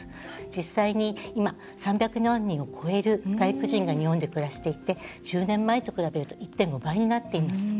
実際に今、３００万人を超える外国人が日本で暮らしていて１０年前と比べると１．５倍になっています。